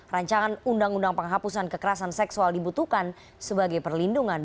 ruu pks dibutuhkan sebagai perlindungan